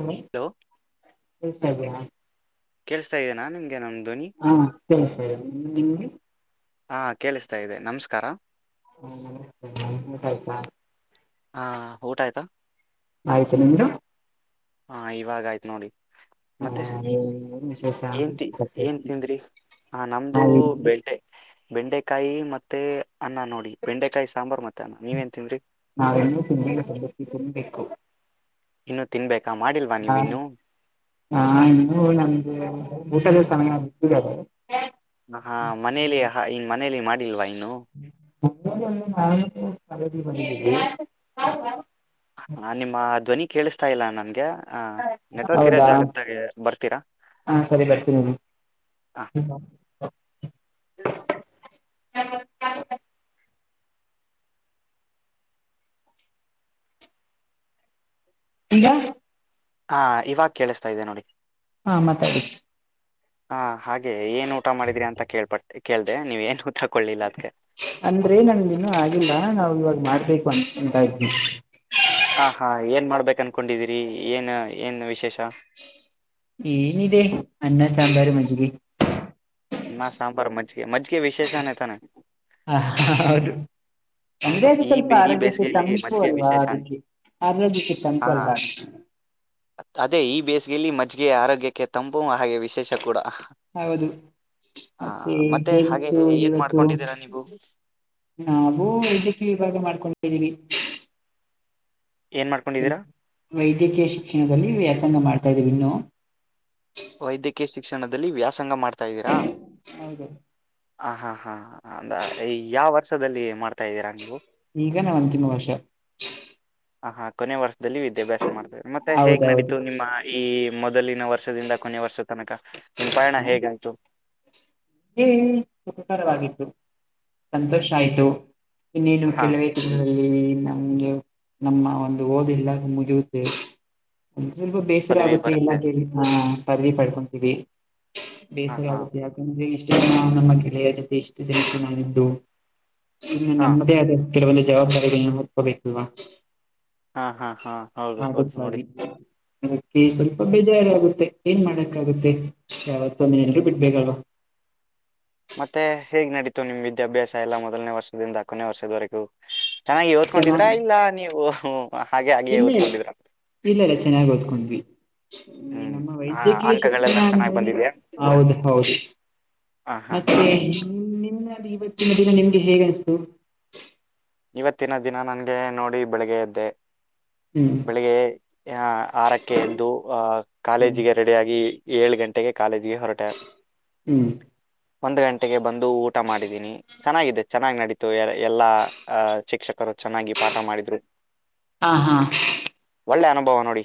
ಹ್ಮ ಹಲೋ ಹತ [unintelligible] ಕೇಳಸ್ತಾ ಇದೀನಾ ನಿಮ್ಗೆ ನಮ್ ಧ್ವನಿ ಹಾ ಕೇಳುಸ್ತಿದೆ ನಿಮ್ ನಿಮಗೆ ಹಾ ಕೇಳಿಸ್ತಾ ಇದೆ ನಮಸ್ಕಾರ ಹಾ ನಮಸ್ತೆ ಊಟ ಆಯ್ತಾ ಹಾ ಊಟ ಆಯ್ತಾ ಆಯ್ತು ನಿಮ್ದು ಹಾ ಇವಾಗ ಆಯ್ತ್ ನೋಡಿ ಹ ಮತ್ತೆ ಏನ್ ವಿಶೇಷ ಏನ್ ತಿ ಏನ್ ತಿಂದ್ರಿ ಹ ನಮ್ದು ನಾವಿನ್ನು ಬೇಟೆ ಬೆಂಡೆಕಾಯಿ ಮತ್ತೆ ಅನ್ನ ನೋಡಿ ಬೆಂಡೆಕಾಯಿ ಸಾಂಬಾರ್ ಮತ್ತೆ ಅನ್ನ ನೀವ ಎನ್ ತಿಂದ್ರಿ ನಾವೆನ್ನೂ ತಿನ್ದಿಲ್ಲ ಸಬ್ಬಕ್ಕಿ ತಿನ್ನ್ಬೆಕು ಇನ್ನು ತಿನ್ಬೇಕಾ ಮಾಡಿಲ್ವಾ ಹಾ ನೀವಿನ್ನು. ಹಾ ಇನ್ನೂ ನಮಗೆ ಊಟದ ಸಮಯ [unintelligible] ಹಾ ಮನೇಲಿ ಹಾ ಇನ್ ಮನೇಲಿ ಮಾಡಿಲ್ವಾ ಇನ್ನು. [unintelligible] ಹ ನಿಮ್ಮ ಧ್ವನಿ ಕೇಳಿಸ್ತಾ ಇಲ್ಲ ನನ್ಗೆ ಆ ನೆಟ್ವರ್ಕ್ ಇರೋ ಹೌದಾ ಜಾಗದಾಗೆ ಬರ್ತೀರಾ. ಹಾ ಸರಿ ಬರ್ತೀನಿರಿ. ಹಾ ಈಗ. ಹಾ ಇವಾಗ ಕೇಳಸ್ತಾ ಇದೆ ನೋಡಿ. ಹಾ ಮಾತಾಡಿ [unintelligible] ಹಾ, ಹಾಗೆ ಏನ್ ಊಟ ಮಾಡಿದ್ರಿ ಅಂತ ಕೇಳ್ಪಟಕೇಳ್ದೆ ನೀವೇನ್ ಉತ್ತರ ಕೊಡ್ಲಿಲ್ಲ ಅದ್ಕೆ. ಅಂದ್ರೆ ನಮ್ದಿನ್ನೂ ಆಗಿಲ್ಲ ನಾವ್ ಇವಾಗ್ ಮಾಡ್ಬೇಕು ಅಂಕೊಂತ ಇದ್ವಿ. ಹಾ, ಹಾ ಏನ್ ಮಾಡ್ಬೇಕನ್ಕೊಂಡಿದೀರಿ ಏನ ಏನ್ ವಿಶೇಷ. ಏನಿದೆ ಅನ್ನ, ಸಾಂಬಾರು, ಮಜ್ಜಿಗೆ. ಅನ್ನ ಸಾಂಬರ್ ಮಜ್ಜಿಗೆ -ಮಜ್ಜಿಗೆ ವಿಶೇಷನೆ ತಾನೇ. - ಹಾ, ಹೌದು ಅಂದ್ರೆ ಹೌದು ಅದು ಈ ಸ್ವಲ್ಪ ಬೆ- ಈ ಆರೋಗ್ಯಕ್ಕೆ ಬೇಸಿಗೆಯಲ್ಲಿ ತಂಪು ಮಜ್ಜಿಗೆ ಅಲ್ವಾ ವಿಶೇಷಾನೇ ಅದಕ್ಕೆ, ಆರೋಗ್ಯಕ್ಕೆ ಹಾ ತಂಪಲ್ವಾ ಅದಕ್ಕೆ. ಅದೇ ಈ ಬೇಸಿಗೆಯಲ್ಲಿ ಮಜ್ಗೆ ಆರೋಗ್ಯಕ್ಕೆ ತಂಪುವ. [unintelligible] ವಿಶೇಷ ಕೂಡ ಹೌದು, ಹಾ, ಮತ್ತೆ ಹಾಗೆ ಹೇಗಿತ್ತು ಏನ್ ಇವತ್ತು ಮಾಡ್ಕೊಂಡಿದ್ದೀರಾ ನೀವು ನಾವು ವೈದ್ಯಕಿಯವಿಭಾಗ ಮಾಡ್ಕೊಂಡಿದ್ದೀವಿ. ಏನ್ ಮಾಡ್ಕೊಂಡಿದ್ದೀರಾ? ವೈದ್ಯಕೀಯ ಶಿಕ್ಷಣದಲ್ಲಿ ವ್ಯಾಸಂಗ ಮಾಡ್ತಾ ಇದೀವಿ ಇನ್ನು ವೈದ್ಯಕೀಯ ಶಿಕ್ಷಣದಲ್ಲಿ ವ್ಯಾಸಂಗ ಮಾಡ್ತಾ ಇದ್ದೀರಾ, - ಹೌದು ಹ, ಹಾ, ಹಾ ಅಂದರೆ ಈ ಯಾವ ವರ್ಷದಲ್ಲಿ ಮಾಡ್ತಾ ಇದೀರಾ ನೀವು. ಈಗ ನಾ ಅಂತಿಮ ವರ್ಷ ಹ, ಹಾ ಕೊನೆೆ ವರ್ಷದಲ್ಲಿ ವಿದ್ಯಾಭ್ಯಾಸ ಮಾಡ್ತಿದೀನಿ. ಮತ್ತೆ ಹೇಗ್ ಹೌದೌದು ನಡೀತು ನಿಮ್ಮ ಈ ಮೊದಲಿನ ವರ್ಷದಿಂದ ಕೊನೆಯ ವರ್ಷ ತನಕ ನಿಮ್ಮ ಪಯಣ ಹೇಗಾಯ್ತು. ಸುಖಕರವಾಗಿತ್ತು, ಸಂತೋಷ ಆಯ್ತು ಇನ್ನೇನು ಹಾ ಕೆಲವೇ. [unintelligible] ಸ್ವಲ್ಪ ಬೇಸರ ಪದವಿ ಆಗುತ್ತೆ ಎಲ್ಲ ಬರುತ್ತೆ ಕೇಳಿ ಹಾ, ಪದವಿ ಪಡ್ಕೊಂತೀವಿ. ಹಾ ಬೇಸರ ಹಾ ಆಗುತ್ತೆ ಯಾಕಂದ್ರೆ ಇಷ್ಟು ನಮ್ಮ ಗೆಳೆಯ ಜೊತೆ ಇಷ್ಟು ದಕ್ಕೆ [unintelligible] ನಾಗಿದ್ದು ಇನ್ನು ಹಾ ನಮ್ಮದೇ ಆದ ಕೆಲವೊಂದು ಜವಾಬ್ದಾರಿಗಳನ್ನ ಹೊತ್ಕೋಬೇಕಲ್ವಾ, - ಹಾ ಹಾ ಹಾ ಹೌದು ಹೌದು ನೋಡಿ ಹಾಗದುಾಗಿ [unintelligible] ಅದಕ್ಕೆ ಸ್ವಲ್ಪ ಬೇಜಾರ ಆಗುತ್ತೆ ಏನ್ ಮಾಡಕ್ಕಾಗುತ್ತೆ ಯಾವತ್ತೊಂದ ಎಲ್ರೂ ಬಿಡ್ಬೇಕಲ್ವಾ. ಮತ್ತೆ ಹೇಗ್ ನಡೀತು ನಿಮ್ ವಿದ್ಯಾಭ್ಯಾಸ ಎಲ್ಲ ಮೊದಲನೇ ವರ್ಷದಿಂದ ಕೊನೇ ವರ್ಷದವರೆಗೂ. - ಚೆನ್ನಾಗಿ ಓದ್ಕೊಂಡಿದ್ರಾ ಚೆನ್ನಾಗಿ ಇಲ್ಲ ನೀವು ಹಾಗೆ ಹಾಗೆ ಇಲ್ಲ ಓದ್ಕೊಂಡಿದ್ರ,. ಇಲ್ಲ- ಇಲ್ಲ ಚೆನ್ನಾಗಿ ಓದ್ಕೊಂಡ್ವಿ. ಹ್ಮ್ ನಮ್ಮ ಹ ವೈದ್ಯಕೀಯ ಶಿಕ್ಷಣ ಅಂಕಗಳೆಲ್ಲ ಚೆನ್ನಾಗ್ ಅಂದ್ರೇನೆ ಬಂದಿದೆ ಹೌದು- ಹೌದು ಹಾ, ಹಾ, ಹಾ, ಹಾ ನಿ [unintelligible] ನಿಮ್ಮಲ್ಲಿ ಇವತ್ತಿನ ದಿನ ನಿಮ್ಗೆ ಹೇಗೆ ಅನಸ್ತು ಇವತ್ತಿನ ದಿನ ನನ್ಗೆ ನೋಡಿ ಬೆಳಿಗ್ಗೆ ಎದ್ದೆ- ಹ್ಮ್, ಬೆಳಿಗ್ಗೆ ಆ ಆರಕ್ಕೆ ಎದ್ದು ಆಹ್ ಹ್ಮ್ ಕಾಲೇಜಿಗೆ ರೆಡಿಯಾಗಿ. ಏಳು ಗಂಟೆಗೆ ಕಾಲೇಜಿಗೆ ಹೊರಟೆ. ತ್ತ [inaudible] ಹ್ಮ್ ಒಂದ್ ಗಂಟೆಗೆ ಬಂದು ಊಟ ಮಾಡಿದ್ದೀನಿ. ಚೆನ್ನಾಗಿದೆ ಚೆನ್ನಾಗಿ ನಡೀತು ಎಲ್ಲಾ ಆ ಶಿಕ್ಷಕರು ಚೆನ್ನಾಗಿ ಪಾಠ ಮಾಡಿದ್ರು. ಹಾ, ಹಾ ಒಳ್ಳೆ ಅನುಭವ ನೋಡಿ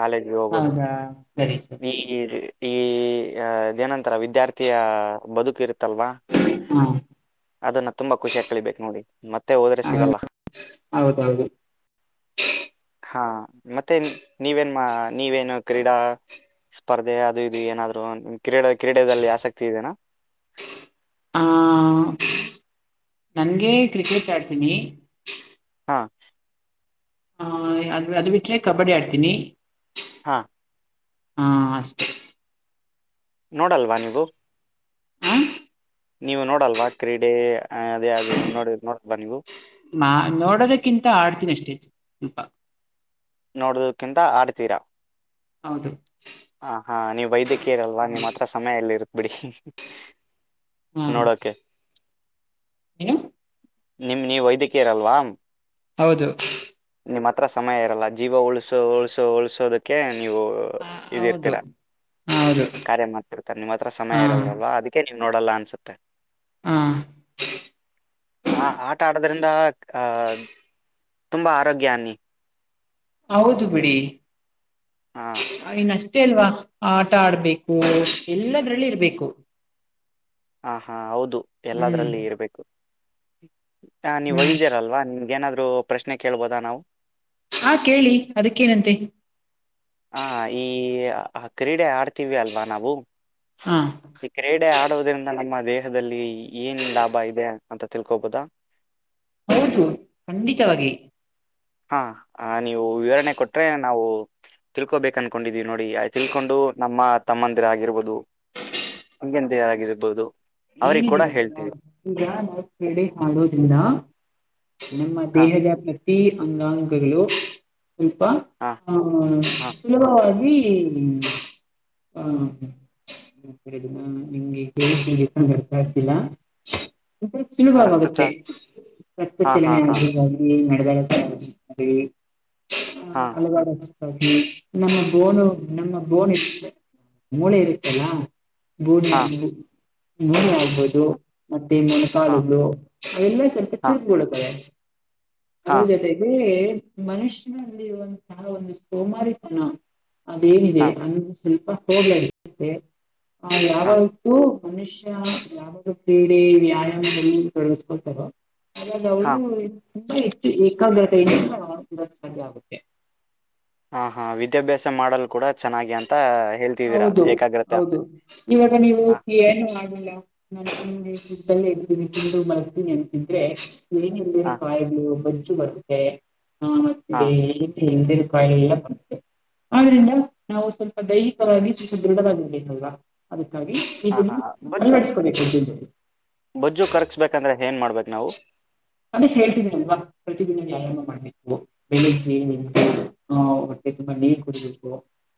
ಕಾಲೇಜ್ಗೆ ಹೋಗೋದು. ಹೌದಾ ಸರಿ ಸರಿ ನೀ ಈ ಈ ಅದೇನಂತರೆ ವಿದ್ಯಾರ್ಥಿಯ... ಬದುಕ ಇರ್ ತಲ್ವಾ ಹಾ ಅದನ್ನ ತುಂಬಾ ಖುಷಿಯಗ್ ಕಲಿಬೇಕು ನೋಡಿ ಮತ್ತೆ ಹೋದರೆ ಸಿಗಲ್ಲ ಹೌದೌದು ಹಾ ಮತ್ತೆ ನೀವೇನ್ ನೀವೇನು ಕ್ರೀಡಾ ಸ್ಪರ್ಧೆ ಅದು ಇದು ಏನಾದ್ರು ನಿಮ ಕ್ರೀಡೆ ಕ್ರೀಡೆಯಲ್ಲಿ ಆಸಕ್ತಿ ಇದೆನಾ ನನಗೆ ಕ್ರಿಕೆಟ್ ಆಡ್ತೀನಿ ಹಾಂ ಹ ಅದು ಅದು ಬಿಟ್ರೆ ಕಬಡ್ಡಿ ಆಡ್ತೀನಿ ಹಾ ಹಾ ಅಷ್ಟೇ ನೋಡಲ್ವಾ ನೀವು ಹ ನೀವು ನೋಡಲ್ವಾ ಕ್ರೀಡೆ ಅದೆ ಅದು ನೋಡ ನೋಡಲ್ವಾ ನೀವು ನಾನ್ ನೋಡೋದಕ್ಕಿಂತ ಆಡ್ತೀನಿ ಅಷ್ಟೇ ಸ್ವಲ್ಪ ನೋಡದಕ್ಕಿಂತ ಆಡ್ತೀರಾ ಹೌದು ಹ ಹಾ ನೀವ್ ವೈದ್ಯಕೀಯರಲ್ವಾ ನಿಮ್ ಹಾ ಹತ್ರ ಸಮಯ ಎಲ್ಲಿ ಇರ್ತ್ ಬಿಡಿ ಹ್ಮ್ ನೋಡೋಕೆ ನಿಮ್ ನೀವ್ ವೈದ್ಯಕೀಯರಲ್ವಾ ಹೌದು ನಿಮ್ಮ ಹತ್ರ ಸಮಯ ಇರಲ್ಲ ಜೀವ ಉಳಸು ಉಳಸು ಉಳಸೋದ ಕ್ಕಿ ನೀವು ಹ ಹೌದು ಇದಿರ್ತೀರಾ ಹೌದು ಕಾರ್ಯ ಮಾಡ್ತಿರ್ತಾರೆ ನಿಮ್ಮ್ ಹತ್ರ ಹಾ ಸಮಯ ಇರಲ್ವಲ್ವಾ ಅದಕ್ಕೆ ನೀವ್ ನೋಡಲ್ಲ ಅನ್ಸುತ್ತೆ ಹಾ ಆ ಆಟ ಆಡೋದ್ರಿಂದ ಅ ತುಂಬ ಆರೋಗ್ಯನ್ನಿ ಹೌದು ಬಿಡಿ ಹಾಂ ಇನಷ್ಟ್ ಅಷ್ಟೇ ಅಲ್ವಾ ಆಟ ಆಡ್ಬೇಕು ಎಲ್ಲದ್ರಲ್ಲಿ ಇರ್ಬೇಕು ಹ ಹಾ ಹೌದು ಹ್ಮ್ ಎಲ್ಲದ್ರಲ್ಲಿ ಇರ್ಬೇಕು ಹ ನೀವ್ ಹ್ಮ್ ವೈದ್ಯರ ಅಲ್ವಾ ನಿಮ್ಗ ಏನಾದ್ರು ಪ್ರೆಶ್ನೆ ಕೇಳಬೋದಾ ನಾವು ಹಾ ಕೇಳಿ ಅದಕ್ಕೇನಂತೆ ಹಾ ಈ ಆ ಕ್ರೀಡೆ ಆಡ್ತೀವಿ ಅಲ್ವಾ ನಾವು ಹಾ ಈ ಕ್ರೀಡೆ ಆಡುವುದ್ರಿಂದ ನಮ್ಮ ದೇಹದಲ್ಲಿ ಏನ್ ಲಾಭ ಇದೆ ಅಂತ ತಿಳ್ಕೋಬೋದಾ ಹೌದು ಖಂಡಿತವಾಗಿ ಹಾ ನೀವು ವಿವರಣೆ ಕೊಟ್ರೆ ನಾವು ತಿಳ್ಕೋಬೇಕು ಅನ್ಕೊಂಡಿದೀವಿ ನೋಡಿ ತಿಳ್ಕೊಂಡು ನಮ್ಮ ತಮ್ಮಂದಿರ ಆಗಿರ್ಬೋದು ತಂಗಿಯೆಂದಿರ್ ಆಗಿರ್ಬಹುದು ಏನಿದೆ ಗೊತ್ತ ಈಗ ನಾ ಕ್ರೀಡೆ ಆಡೋದ್ರಿಂದ ನಮ್ಮ ಹಾ ದೇಹದ ಪ್ರತಿ ಅಂಗಾಂಗಗಳು ಸ್ವಲ್ಪ ಹಾ ಹ್ ಹಾ ಸುಲಭವಾಗಿ ಹಾ [inaudible] [unintelligible] ರಕ್ತ ಸುಲಭವಾಗುತ್ತೆ ಚನ್ ರಕ್ತ ಹಾ ಹಾ ಚಲನೆ ಹಾ ಆಗ ಇಲ್ಲಿ ನಡೆದ [unintelligible] ಹಾ ಹ ನಮ್ಮ ಬೋನು ನಮ್ಮ ಬೋನ್ ಇರುತ್ತಲ ಮೂಳೆ ಇರುತ್ತಲ್ಲ ಬೂಡ್ ಹಾ [unintelligible] ಮೂಳೆ ಆಗ್ಬೋುದು ಮತ್ತೆ ಹಾ ಮೊನಕಾಲದ್ದು ಅವೆಲ್ಲ ಸ್ವಲ್ಪ ಹಾ ಹಾ ಚುರುಕ್ ಗೋಳ್ಳುತ್ತವೆ ಹಾ ಅದ್ರ ಜೊತೆಗೆ ಮನುಷ್ಯನಲ್ಲಿ ಇರುವಂತಹ ಒಂದು ಸೋಮಾರಿತನ ಅದೇನಿದೆ ಹಾ ಅನ್ನ ಸ್ವಲ್ಪ ಹೋಗ್ಲೆ ಆ ಯಾವತ್ತೂ [inaudible] ಮನುಷ್ಯ ಯಾವುದ ಕ್ರೀಡೆ ವ್ಯಾಯಾಮದಲ್ಲಿ ತೋಡಗಿಸ್ಕೊತಾರೋ ಹಾಗಾಗಿ ಹಾ ಅವ್ಳು ತುಂಬಾ ಹೆಚ್ಚು ಏಕಾಗ್ರತೆೆಯ ಆಗುತ್ತೆ ಹ ಹಾ ವಿದ್ಯಾಭ್ಯಾಸ ಮಾಡಲ್ ಕೂಡ ಚೆನ್ನಾಗಿ ಅಂತ ಹೇಳ್ತಾ ಹೌದು ಹೌದು ಇವಾಗ ನೀವು ಹಾ ಏನು ಆಗಿಲ್ಲ ನಾನ ಇದ್ದಲ್ಲೇ ಇಡ್ತೀನಿ ಉಂಡು ಮಲಗ್ತೀನಿ ಅಂತಿದ್ರೆ ಮೇ ಹಾ ಕಾಯಿಗಳು ಬೊಜ್ಜು ಬರುತ್ತೆ ಮತ್ತೆ ಹಾ ಎಂದಿರು ಕಾಯಿಲೆ ಎಲ್ಲ ಆದ್ರಿಂದ ನಾವು ಸ್ವಲ್ಪ ದೈ [unintelligible] ದೈಹಿಕವಾಗಿ ಸದೃಢವಾಗಿರ ಬೇಕ ಅಲ್ವಾ ಅದಕ್ಕಾಗಿ ಈಗ ಹಾ ಹಾ ನೀವು ಹಾ ಬೊಜ್ಜು ಅಳವಡಿಸಕೋಬೇಕುದಲ್ಲಿ ಬೊಜ್ಜು ಕರಗಸಬೇಕಂದ್ರೆ ಏನ್ ಮಾಡ್ಬೇಕು ನಾವು ಅದೆ ಹೇಳ್ತೀನಿ ಅಲ್ವಾ ಪರ್ಟಿಕ್ಯುಲರಾಗಿ ವ್ಯಾಯಾಮ ಮಾಡಬೇಕು [unintelligible] ಹೊಟ್ಟೆ ತುಂಬಾ ನೀರ್ ಕುಡಿಬೇಕು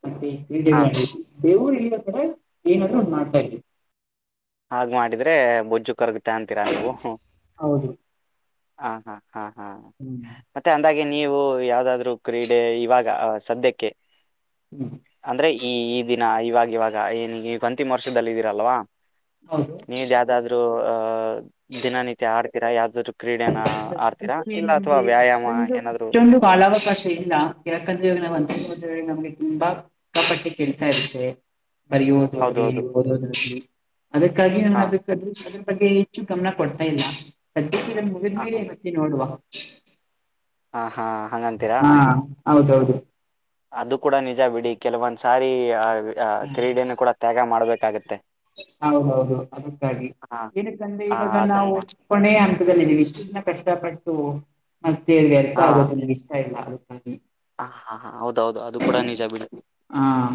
ಮತ್ತೆ ಈ ಹಾ ದೇವರು ಇತ್ತರ ಏನಾದ್ರು ಒಂದ್ ಮಾಡ್ತಾ ಇದವಿ ಹಾಗ ಮಾಡಿದ್ರೆ ಬೊಜ್ಜು ಕರಗುತ್ತಾ ಅಂತೀರಾ ನೀವು ಹೌದು ಹ ಹಾ ಹಾ ಹಾ ಹ್ಮ್ ಮತ್ತೆ ಅಂದಾಗೆ ನೀವು ಯಾವ್ದಾದ್ರು ಕ್ರೀಡೆ ಇವಾಗ ಸದ್ಯಕ್ಕೆ ಹ್ಮಞ ಅಂದ್ರೆ ಈ ಈ ದಿನ ಇವಾಗ ಇವಾಗ ಏನ ಈ ಅಂತಿಮ ವರ್ಷದಲ್ಲಿ ಇದೀರಲ್ವಾ ಹೌದು ನೀವ್ ಯಾವ್ದಾದ್ರು ಅ ದಿನನಿತ್ಯ ಆಡ್ತೀರಾ ಯಾವಾದ್ರು ಕ್ರೀಡೆನ ಆಡ್ತೀರಾ ಸದ್ಯಕ್ಕೆ ಇಲ್ಲ ಅಥವಾ ನಮ್ಗೆ ವ್ಯಾಯಾಮ ಅಷ್ಟೊಂದು ಏನಾದ್ರು ಅಷ್ಟೊಂದು ಕಾಲಾವಕಾಶ ಇಲ್ಲ ಯಾಕಂದ್ರೆ ನಾವು ಅಂತೋದ್ರ ನಮಗೆ ತುಂಬಾ ಸಿಕ್ಕಾ ಪಟ್ಟೆ ಕೆಲಸ ಇರ್ತವೆ ಬರಿಯಾದು ಹೌದು ಆಗ್ಲಿ ಹೌದು ಓದೋದಾಗಲಿ ಅದಕ್ಕಾಗಿ ನಾನ ಹಾ ಅದ ಅದ್ರ ಬಗ್ಗೆ ಹೆಚ್ಚು ಗಮನ ಕೊಡ್ತಾ ಇಲ್ಲ ಸದ್ಯಕ್ಕೆ ಹಾ ಹಾ ಮುಗಿದ್ಮೇಲೆವತ್ತತಿ ನೋಡುವ ಆ ಹಾ ಹಂಗಂತೀರಾ ಹಾ ಹೌದೌದು ಅದು ಕೂಡ ನಿಜ ಬಿಡಿ ಕೆಲವೊಂದ್ ಸಾರಿ ಆ ಕ್ರೀಡೆನ ಕೂಡ ಹ್ಮ ತ್ಯಾಗ ಮಾಡ್ಬೇಕಾಗತ್ತೆ ಹೌದೌದು ಅದಕ್ಕಾಗಿ ಹಾ ಏನಕ್ಕಂದ್ರೆ ಹಾ ಇವಾಗ ಅದನ್ನು ನಾವು ಮಾಡ ಕೊನೆಯ ಹಂತದಲ್ಲಿ ಇದ್ದಿವಿ ಇಷ್ಟ ಕಷ್ಟಪಟ್ಟು ಮತ್ತೆ ವ್ಯರ್ಥ ಹಾ ಆಗೋದು ನನಗ ಇಷ್ಟಾ ಇಲ್ಲಾ ಹ್ಮ್ಮ ಹ ಹಾ ಹಾ ಹೌದೌದು ಅದು ಕೂಡ ನಿಜಾ ಬಡಿ ಹಾ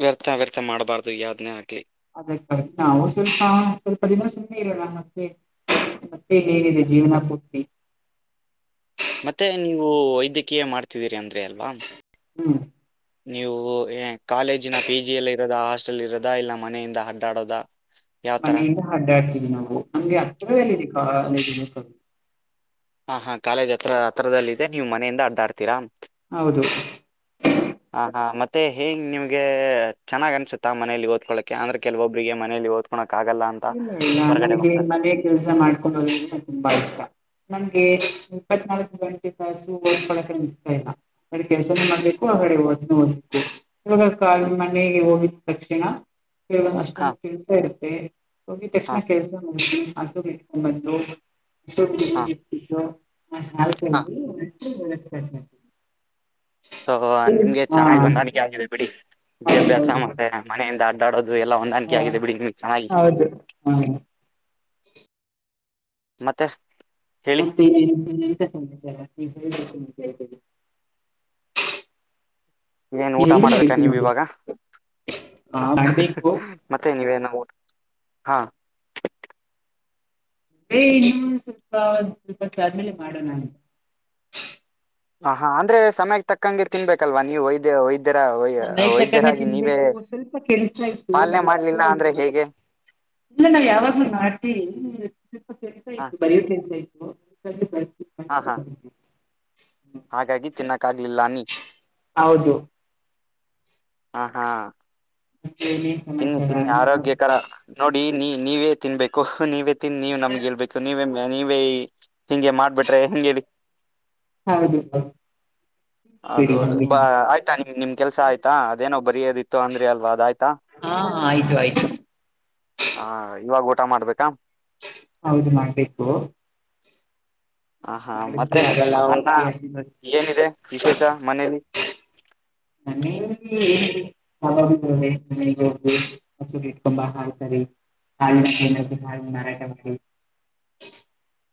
ವ್ಯರ್ಥ ವ್ಯರ್ಥ ಮಾಡಬಾರ್ದು ಯಾವ್ದನೇ ಆಗ್ಲಿ ಅದಕ್ಕ ನಾವು ಸ್ವಲ್ಪ ದಿನ ಸುಮ್ಮನೆ ಇರೋಣ ಮತ್ತೆ ಮತ್ತೆನ್ನೆನಿದೆ ಜೀವನ ಪೂರ್ತಿ ಮತ್ತೆ ನೀವು ವೈದ್ಯಕೀಯ ಮಾಡ್ತಿದ್ದೀರಿ ಅಂದ್ರೆ ಅಲ್ವಾ ಹ್ಮ್ ನೀವು ಕಾಲೇಜಿನ ಪಿ ಜಿ ಎಲ್ಲಿ ಇರೋದ ಹಾಸ್ಟೆಲ್ ಇರೋದ ಇಲ್ಲ ಮನೆಯಿಂದ ಅಡ್ಡಾಡೋದ ಯಾವ್ತರ ಮನೆಯಿಂದ ಅಡ್ಡಾಡ್ತಿದವಿ ನಾವು ಅಂದಗೆ ಹತ್ತಿರಲ್ಲ ಹಾ ಹಾ ಕಾಲೇಜ್ ಹತ್ರ ಹತ್ರದಲ್ಲದೆ ನೀವ್ ಮನೆಯಿಂದ ಅಡ್ಡಾಡ್ತೀರಾ ಹೌದು ಹ ಹಾ ಮತ್ತೆ ಹೇಗ ನಿಮಗೆ ಚೆನ್ನಾಗಿ ಅನ್ಸುತ್ತಾ ಮನೇಲಿ ಓದ್ಕೊಳ್ಳ ಅಂದ್ರೆ ಕೆಲವೊಬ್ರಿಗೆ ಮನಲ್ಲಿ ಓದ ಓದನ್ನಕ್ ಆಗಲ್ಲಾ ಇಲ್ಲ ನನಗೆ ಮನೆಯ ಕೆಲ್ಸ ಮಾಡುಕ್ಕೊಂಡು ಹೋಗದು ತುಂಬಾ ಇಷ್ಟ ನಮ್ಗೆ ಇಪ್ಪತ್ನಾಲ್ಕು ಗಂಟೆ ತಾಸು ಓದಕೊಳ್ಳಕೆ ಆಗ್ತಾ ಇಲ್ಲ ಈಕಡೆನೂ ಕೆಲಸ ಮಾಡಬೇಕು ಆ ಕಡೆ ಓದಕೂ ಓದಕಬೇಕು ವಿಡಿಯೋ ಕಾಲ್ ಮನೆಗೆ ಹೋಗಿದ್ ತಕ್ಷಣ ಕೇಳ ಹಾ ಅಷ್ಟೊಂದು ಕೆಲ್ಸ ಇರುತ್ತೆ ಹೋಗಿದ್ ತಕ್ಷಣ ಹಾ ಕೆಲ್ಸ ಮುಗಿಸಿ ಹಸು ಇಟ್ಕೊಂಡ ಬಂದು ಹಸುಗ್ ಹಾ ನೀರ್ ಇಟ್ ಬಿಟ್ಟು ಹಾಲು ಹಾ ಕರದ್ದು ಹ್ಮ [unintelligible] ಸೋ ನಿಮ್ಗೆ ಹಾ ಚೆನ್ನಾಗಿ ಹೊಂದಾಣಿಕೆ ಆಗಿದೆ ಬಿಡಿ ವಿದ್ಯಾಭ್ಯಾಸ ಹೌದೌದು ಮತ್ತೆ ಮನೆಯಿಂದ ಅಡ್ಡಾಡೋದು ಎಲ್ಲಾ ಹೊಂದಾಣಿಕೆ ಹಾ ಆಗಿದೆ ಬಿಡಿ ನಿಮ್ಮಗ್ ಚೆನ್ನಾಗಿ ಹೌದು. ಹಾ [unintelligible] ಮತ್ತೆ ಹೇಳಿ ಮತ್ತೆಾ [inaudible] ಏನ್ ನೀವ್ ಊಟ ಎಲ್ದ ಮಾಡ್ಬೇಕಾ ಹೇಳ್ತೀನಿ ನೀವ್ ನೋಡಿ ಇವಾಗ ಆ ಹಹ ಮಾಡ್ಬೇಕು ಮತ್ತೆ ನೀವೇನು ಊಟ ಹಾ ಅ ಇನ್ನೂಂದು ಸ್ವಲ್ಪ ಸ್ವಲ್ಪತ್ ಆದ್ಮೇಲೆ ಮಾಡೋಣ ಅಂತ ಹ ಹಾ ಅಂದ್ರೆ ಸಮಯಕ್ಕೆ ತಕ್ಕಂಗೆ ತಿನ್ಬೇಕಲ್ವಾ ನೀವು ವೈದ್ಯ ವೈದ್ಯ ಸಮಯ ತಕ್ಕಂಗ ತಿನ್ಬೇಕು ಸ್ವಲ್ಪ ಕೆಲ್ಸ ಇತ್ತು ಪಾಲನೆ ಅದಕ್ ಮಾಡ್ಲಿಲ್ಲ ಅಂದ್ರೆ ಹೇಗೆ ಇಲ್ಲ ನಾವ್ ಯಾವಾಗ್ಲೂ ಮಾಡ್ತಿವಿ ಸ್ವಲ್ಪ ಕೆಲ್ಸ ಹ ಇತ್ತು ಬರಿಯೋ ಕೆಲ್ಸ ಇತ್ತು ಸರಿ ಸರಿ ಹಾ ಹಾ ಹಾಗಾಗಿ ತಿನ್ನಕ್ ಆಗ್ಲಿಲ್ಲ ಅನ್ನಿ ಹೌದು ಹ ಹಾ ಹಿ [unintelligible] ತಿನ್ನು ತಿನ್ನು ಆರೋಗ್ಯಕರ ನೋಡಿ ನೀ ನೀವೇ ತಿನ್ಬೇಕು ನೀವೇ ತಿನ್ ನೀವ್ ನಮ್ಗೆ ಹೇಳ್ಬೇಕು ನೀವೇ ನೀವೇ ಹಿಂಗೆ ಮಾಡ್ಬಿಟ್ರೆ ಹೆಂಗ್ ಹೇಳಿ ಹೌದು ಹೌದು ಬಿಡಿ ಹೌದು ಹಂಗೆ ಬ ಆಯ್ತಾ ನಿಮ್ ನಿಮ್ ಕೆಲ್ಸ ಆಯ್ತಾ ಅದೇನೋ ಬರಿೋದಿತ್ತು ಅಂದ್ರಿ ಅಲ್ವಾ ಅದ ಆಯ್ತಾ. ಹಾ ಆಯ್ತು ಆಯ್ತು. ಹಾ ಇವಾಗ ಊಟ ಮಾಡ್ಬೇಕಾ. ಹೌದು ಮಾಡ್ಬೇಕು. ಹ ಹಾ ಮಾಡಿದ್ರೆ ಮತ್ತೆ ಆಗಲ್ಲ ಅನ್ನ ಅವತ್ತೇ ಹಸಿದ ಏನಿದೆ ವಿಶೇಷ ಮನೇಲಿ. ಮನೆಯಲ್ಲಿ ಹ ಹೋಗ ಇಟ್ಕೊಂಬ ಹಸು ಇಟ್ಕೊಂಡು ಬಾ ಹಾಲ್ ಕರಿ [unintelligible] ಹಾ ಹಾ ಮಾರಾಟ ಮಾಡಿ [unintelligible]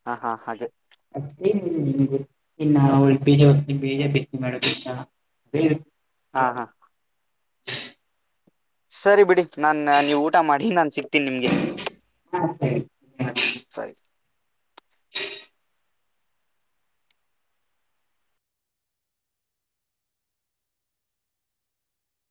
ಹಾಂ ಹಾಂ ಹಾಗೆ [inaudible] ಹಾಂ ಹಾಂ ಸರಿ ಬಿಡಿ ನಾ ನೀವು ಊಟ ಮಾಡಿ ನಾನ್ ಸಿಕ್ತೀನಿ ನಿಮ್ಗೆ. ಹಾ ಸರಿ ಸರಿ